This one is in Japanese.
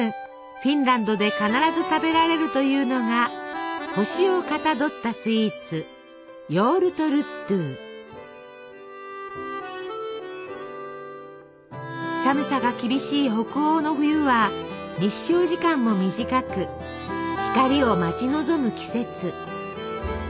フィンランドで必ず食べられるというのが星をかたどったスイーツ寒さが厳しい北欧の冬は日照時間も短く光を待ち望む季節。